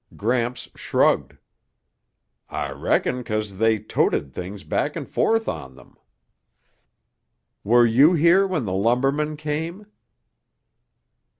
Gramps shrugged. "I reckon 'cause they toted things back and forth on them." "Were you here when the lumbermen came?"